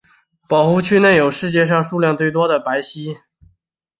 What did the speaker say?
保护区内有世界上数量最多的白犀。